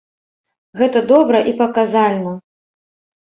Гэта добра і паказальна.